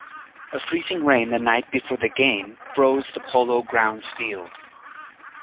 A freezing rain the night before the game froze the Polo Grounds field.